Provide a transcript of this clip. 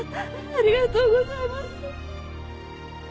ありがとうございます！